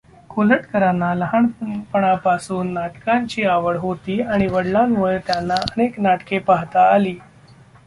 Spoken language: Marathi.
कोल्हटकरांना लहानपणापासून नाटकांची आवड होती आणि वडिलांमुळे त्यांना अनेक नाटके पाहता आली.